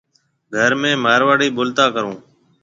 گھر ۾ مارواڙي ٻولتا ڪرون۔